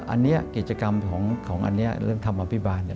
อันนี้กิจกรรมของอันนี้เรื่องธรรมอภิบาล